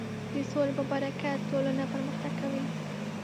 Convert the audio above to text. د سولې په برکت ټولنه پرمختګ کوي.